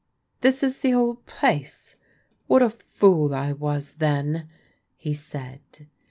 " This is the old place ! What a fool I was, then !" he said.